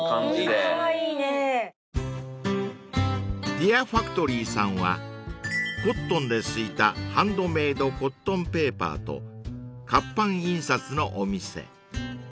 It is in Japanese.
［ＤＥＡＲＦＡＣＴＯＲＹさんはコットンですいたハンドメイドコットンペーパーと活版印刷のお店］